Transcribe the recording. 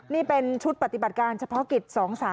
นี่เป็นชุดปฏิบัติการเฉพาะกิจ๒๓